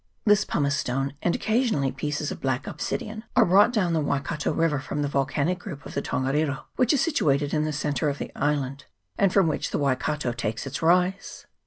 This pumicestone, and occasionally pieces of black ob sidian, are brought down the Waikato river from the volcanic group of the Tongarido, which is situ ated in the centre of the island, and from which the Waikato takes its rise.